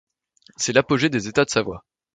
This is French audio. C'est l'apogée des États de Savoie.